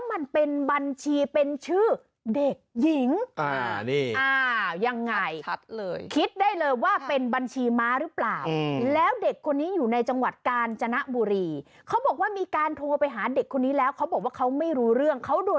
โหโหโหโหโหโหโหโหโหโหโหโหโหโหโหโห